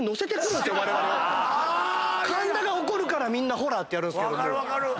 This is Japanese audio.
「神田が怒るからみんなほら！」ってやるんですけど。